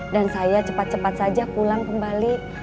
dan saya cepat cepat saja pulang kembali